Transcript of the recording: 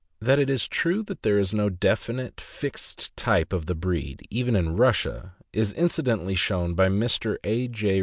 That it is true that there is no definite, fixed type of the breed, even in Russia, is incidentally shown by Mr. A. J.